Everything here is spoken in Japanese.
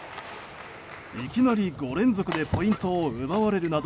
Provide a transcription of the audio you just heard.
いきなり５連続でポイントを奪われるなど